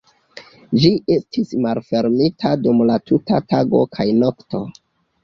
Ĝi estis malfermita dum la tuta tago kaj nokto.